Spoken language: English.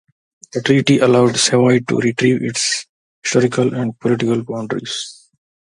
The treaty allowed Savoy to retrieve its historical and political boundaries.